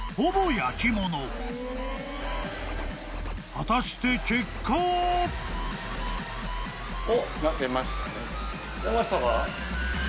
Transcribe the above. ［果たして結果は］出ましたか？